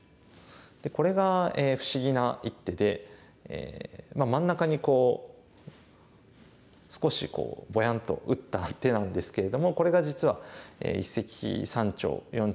これが不思議な一手で真ん中にこう少しボヤンと打った手なんですけれどもこれが実は一石三鳥四鳥の一手でした。